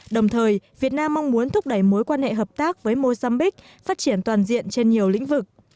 đồng thời việt nam mong muốn thúc đẩy mối quan hệ hợp tác với mozambique phát triển toàn diện trên nhiều lĩnh vực